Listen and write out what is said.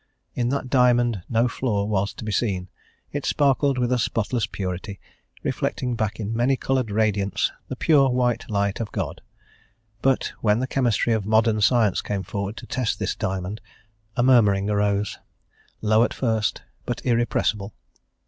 In that diamond no flaw was to be seen; it sparkled with a spotless purity, reflecting back in many coloured radiance the pure white light of God. But when the chemistry of modern science came forward to test this diamond, a murmuring arose, low at first, but irrepressible.